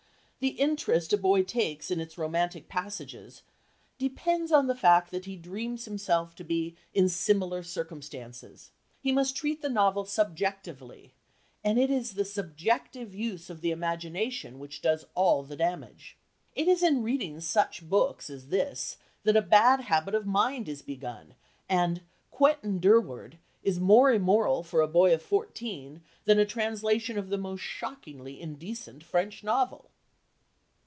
The interest a boy takes in its romantic passages "depends on the fact that he dreams himself to be in similar circumstances; he must treat the novel subjectively, and it is the subjective use of the imagination which does all the damage. It is in reading such books as this that a bad habit of mind is begun, and Quentin Durward is more immoral for a boy of fourteen than a translation of the most shockingly indecent French novel."